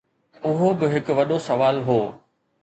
اهو به هڪ وڏو سوال هو